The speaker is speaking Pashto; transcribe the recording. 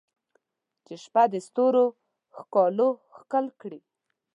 چې شپه د ستورو ښکالو ښکل کړي